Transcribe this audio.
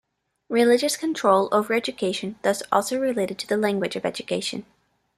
Religious control over education thus also related to the language of education.